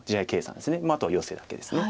あとはヨセだけです。